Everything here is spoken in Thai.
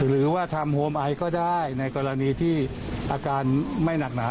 หรือว่าทำโฮมไอก็ได้ในกรณีที่อาการไม่หนักหนา